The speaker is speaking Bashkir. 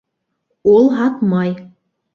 Ул һатмай.